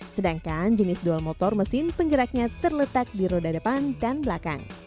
sedangkan jenis dual motor mesin penggeraknya terletak di roda depan dan belakang